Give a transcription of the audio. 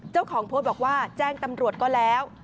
เจ้าของโพสต์บอกว่าแจ้งตำรวจก็แล้ว